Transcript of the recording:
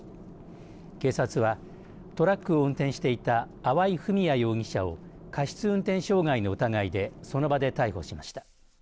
警察はトラックを運転していた粟井文哉容疑者を過失運転傷害の疑いでその場で逮捕しました。